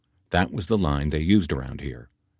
That was the line they used around here.